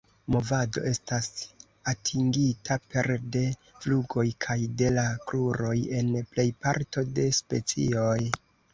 Movado estas atingita pere de flugoj kaj de la kruroj en plejparto de specioj.